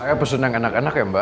saya pesenan anak anak ya mbak